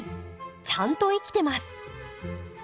ちゃんと生きてます。